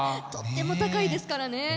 とっても高いですからね。